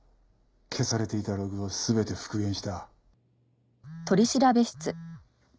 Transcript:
消されていたログを全て復元した。